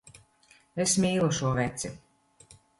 Es mīlu šo veci.